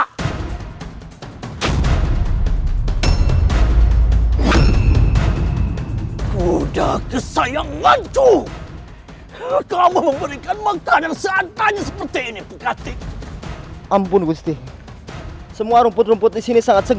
hai kuda kesayanganku kamu memberikan makanan saat aja seperti ini pekatik ampun gusti semua rumput rumput di sini sangat segar